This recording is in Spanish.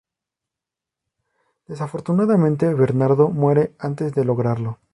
Desafortunadamente, Bernardo muere antes de lograrlo.